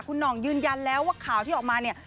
คุณห่องยืนยันแล้วว่าข่าวที่ออกมาเนี่ย